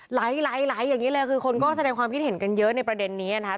หลายอย่างนี้เลยคือคนก็แสดงความคิดเห็นกันเยอะในประเด็นนี้นะครับ